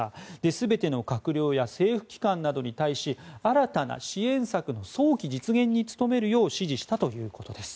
全ての閣僚や政府機関などに対し新たな支援策の早期実現に努めるよう指示したということです。